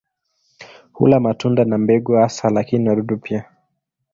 Hula matunda na mbegu hasa lakini wadudu pia.